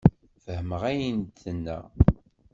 Fehmeɣ ayen d-tenna.